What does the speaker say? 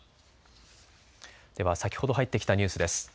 では先ほど入ってきたニュースです。